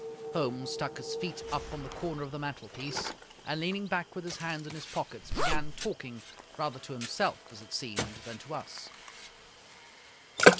Holmes stuck his feet up on the corner of the mantelpiece, and, leaning back with his hands in his pockets, began talking, rather to himself, as it seemed, than to us.